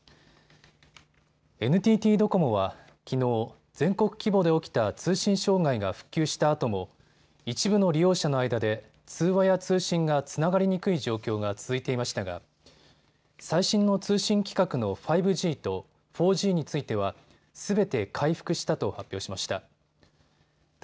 ＮＴＴドコモは、きのう全国規模で起きた通信障害が復旧したあとも一部の利用者の間で通話や通信がつながりにくい状況が続いていましたが最新の通信規格の５Ｇと４Ｇについてはすべて回復したと発表しました。